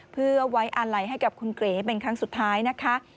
เพื่อไว้อาลัยให้กับคุณเก๋เป็นครั้งสุดท้ายนะคะ